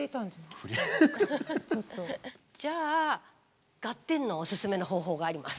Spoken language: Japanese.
じゃあ「ガッテン！」のおすすめの方法があります。